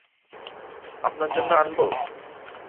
আপনার জন্য আনবো?